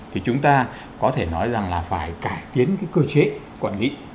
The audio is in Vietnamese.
thì chúng ta có thể nói rằng là phải cải tiến cái cơ chế quản lý